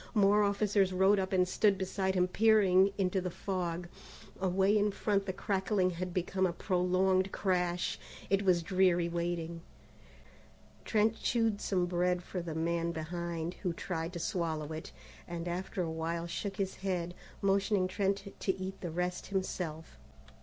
More officers rode up and stood beside him peering into the fog. Away in front the crackling had become one prolonged crash. It was dreary waiting. Trent chewed some bread for the man behind, who tried to swallow it, and after a while shook his head, motioning Trent to eat the rest himself.